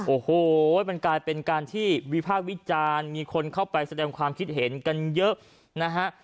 โอ้โหมันกลายเป็นการที่วิพากษ์วิจารณ์มีคนเข้าไปแสดงความคิดเห็นกันเยอะนะฮะ